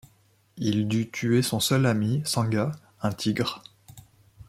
Il dû tuer son seul ami, Sanga, un tigre.